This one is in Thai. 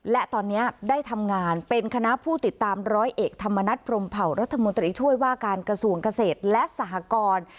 และตอนนี้ได้ทำงานเป็นคณะผู้ติดตามร้อยเอกธรรมนัฐพรมเผารัฐมนตรีช่วยว่าการกระทรวงเกษตรและสหกร